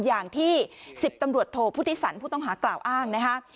อย่างที่๑๐ตำรวจโทพุทธิสันผู้ต้องหากล่าวอ้างนะคะ